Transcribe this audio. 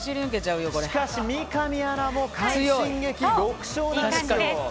しかし、三上アナも快進撃６勝目！